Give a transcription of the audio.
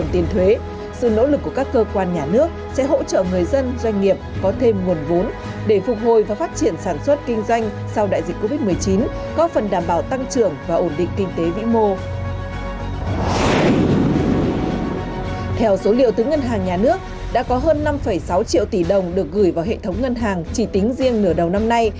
theo số liệu từ ngân hàng nhà nước đã có hơn năm sáu triệu tỷ đồng được gửi vào hệ thống ngân hàng chỉ tính riêng nửa đầu năm nay